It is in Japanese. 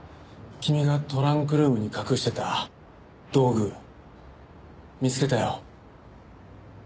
君がトランクルームに隠してた道具見つけたよ。